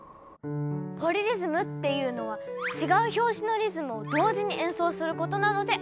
ポリリズムっていうのは違う拍子のリズムを同時に演奏することなのである。